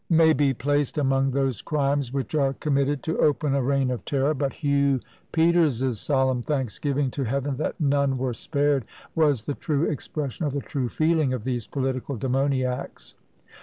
" may be placed among those crimes which are committed to open a reign of terror but Hugh Peters's solemn thanksgiving to Heaven that "none were spared!" was the true expression of the true feeling of these political demoniacs.